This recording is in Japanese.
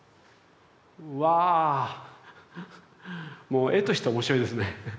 うわぁもう絵として面白いですね。